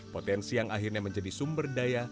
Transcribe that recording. potensi yang akhirnya menjadi sumber daya